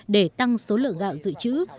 để tăng số lượng gạo dự trữ